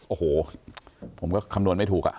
โอ้โหผมก็คำนวณไม่ถูก